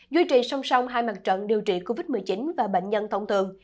duy trì song song hai mặt trận điều trị covid một mươi chín và bệnh nhân thông thường